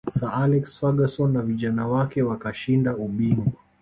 sir alex ferguson na vijana wake wakashinda ubingwa